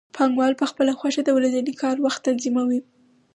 پانګوال په خپله خوښه د ورځني کار وخت تنظیموي